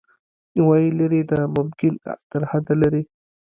وايي، لیرې د ممکن ترحده لیرې